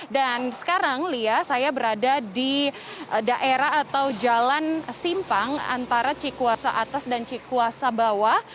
dan sekarang lia saya berada di daerah atau jalan simpang antara cikuasa atas dan cikuasa bawah